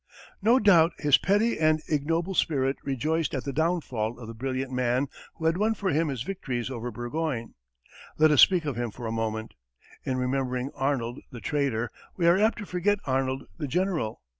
No doubt his petty and ignoble spirit rejoiced at the downfall of the brilliant man who had won for him his victories over Burgoyne. Let us speak of him for a moment. In remembering Arnold the traitor, we are apt to forget Arnold the general.